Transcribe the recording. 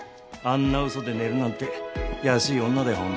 あんな嘘で寝るなんて安い女だよ